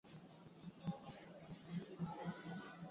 Kuongea sana si nzuri